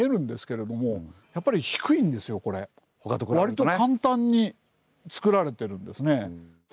割と簡単につくられてるんですね。